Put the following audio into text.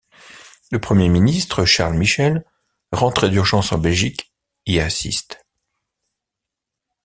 Le Premier ministre, Charles Michel, rentré d'urgence en Belgique, y assiste.